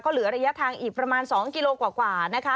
เหลือระยะทางอีกประมาณ๒กิโลกว่านะคะ